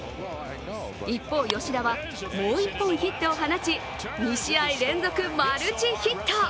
一方、吉田はもう１本ヒットを放ち２試合連続マルチヒット！